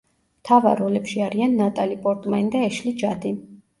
მთავარ როლებში არიან ნატალი პორტმანი და ეშლი ჯადი.